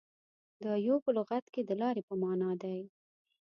• دایو په لغت کې د لارې په معنیٰ دی.